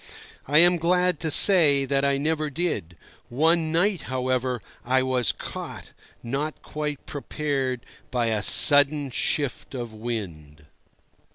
I am glad to say that I never did; one night, however, I was caught, not quite prepared, by a sudden shift of wind.